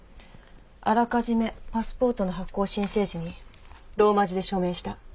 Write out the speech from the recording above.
あらかじめパスポートの発行申請時にローマ字で署名した。